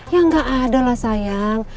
ya nggak ada lah sayang